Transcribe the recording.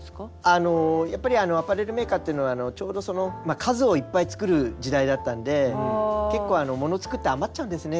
あのやっぱりアパレルメーカーっていうのはちょうど数をいっぱい作る時代だったんで結構物作って余っちゃうんですね